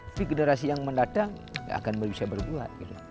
tapi generasi yang mendadang tidak akan bisa berbuat